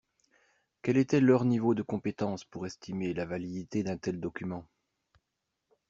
Quel était leur niveau de compétence pour estimer la validité d’un tel document?